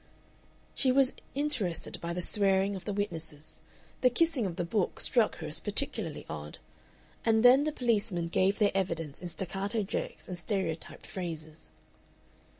She was interested by the swearing of the witnesses. The kissing of the book struck her as particularly odd, and then the policemen gave their evidence in staccato jerks and stereotyped phrases.